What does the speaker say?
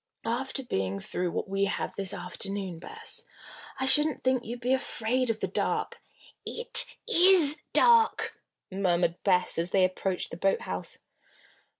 "After being through what we have this afternoon, Bess, I shouldn't think you'd be afraid of the dark." "It is dark," murmured Bess, as they approached the boathouse.